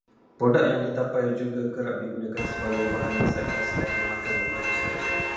Produk yang ditapai juga kerap digunakan sebagai bahan masakan selain dimakan begitu sahaja.